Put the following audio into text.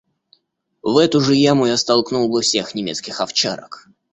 В эту же яму я столкнул бы всех немецких овчарок.